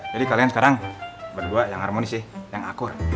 jadi kalian sekarang berdua yang harmonis sih yang akur